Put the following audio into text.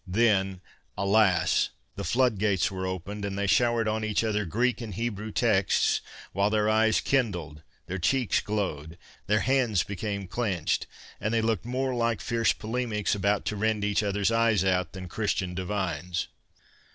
Then, alas! the floodgates were opened, and they showered on each other Greek and Hebrew texts, while their eyes kindled, their cheeks glowed, their hands became clenched, and they looked more like fierce polemics about to rend each other's eyes out, than Christian divines.